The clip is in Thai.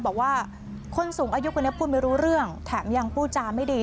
บอกว่าคนสูงอายุคนนี้พูดไม่รู้เรื่องแถมยังพูดจาไม่ดี